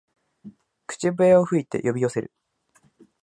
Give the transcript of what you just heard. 口笛を吹いて呼び寄せる